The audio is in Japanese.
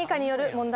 ［問題］